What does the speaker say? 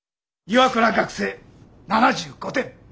岩倉学生７５点！